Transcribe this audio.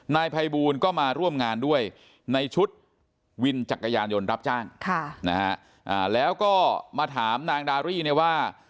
นายภัยบูลก็มาร่วมงานด้วยในชุดวินจักรยานยนต์รับจ้างแล้วก็มาถามนางดารี่เนี่ยว่า